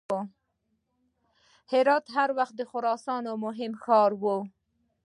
هرات هر وخت د خراسان مهم ښار و.